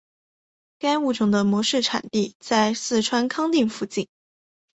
该物种的模式产地在四川康定附近。